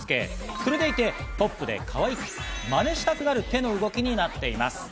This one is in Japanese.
それでいてポップでかわいく、マネしたくなる手の動きになっています。